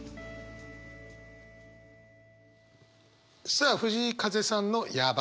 さあ藤井風さんの「やば。」